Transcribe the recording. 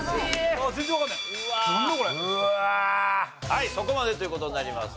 はいそこまでという事になります。